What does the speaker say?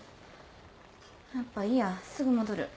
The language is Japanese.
やっぱいいやすぐ戻る。